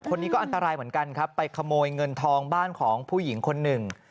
คนนี้ก็อันตรายเหมือนกันครับไปขโมยเงินทองบ้านของผู้หญิงคนหนึ่ง